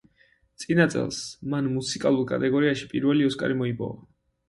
წინა წელს, მან, მუსიკალურ კატეგორიაში პირველი ოსკარი მოიპოვა.